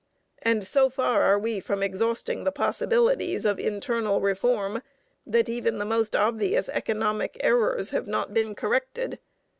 And so far are we from exhausting the possibilities of internal reform that even the most obvious economic errors have not been corrected.